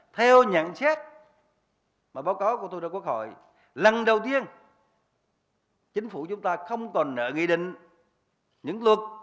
theo nhận chết báo cáo của thủ tướng quốc hội lần đầu tiên chính phủ chúng ta không còn nợ nghị định những luật